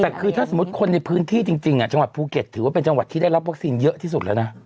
แต่คือถ้าสมมุติคนในพื้นที่จริงจังหวัดภูเก็ตถือว่าเป็นจังหวัดที่ได้รับวัคซีนเยอะที่สุดแล้วนะ